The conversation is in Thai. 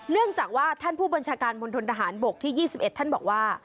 เนื่องจากว่าท่านผู้บัญชาการมณฑนทหารบกที่๒๑ท่านบอกว่า